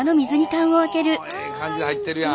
ええ感じに入ってるやん。